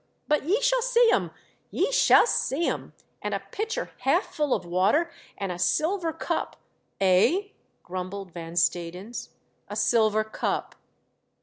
But ye shall see 'em — ye shall see 'em, and a pitcher half full of water and a silver cup "" Eh ?" grumbled Van Stadens. " A silver cup."